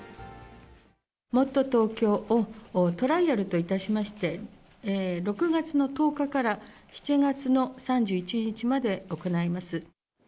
もっとＴｏｋｙｏをトライアルといたしまして、６月の１０日から７月の３１日まで行います。